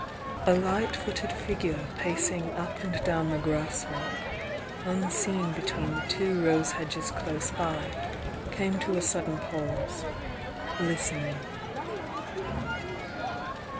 A light footed figure pacing up and down the grass walk, unseen between the two rose hedges close by, came to a sudden pause — listening.